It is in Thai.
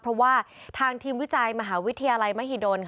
เพราะว่าทางทีมวิจัยมหาวิทยาลัยมหิดล